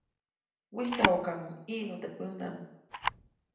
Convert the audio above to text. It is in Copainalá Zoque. Wijtyajuʼkamuŋ ʼiʼnu teʼ pändaʼm.